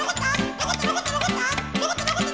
のこったのこったのこった！